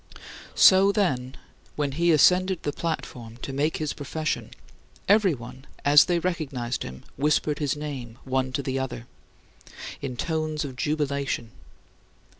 So, then, when he ascended the platform to make his profession, everyone, as they recognized him, whispered his name one to the other, in tones of jubilation.